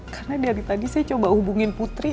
karena di hari tadi saya coba hubungin putri